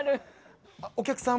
お客さん